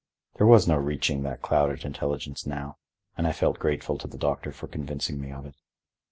There was no reaching that clouded intelligence now, and I felt grateful to the doctor for convincing me of it.